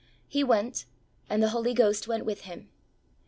^^ He went and the Holy Ghost went with him.